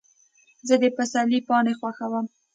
زه د پسرلي پاڼې خوښوم.